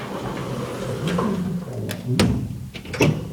¿Os gusta el pescado azul?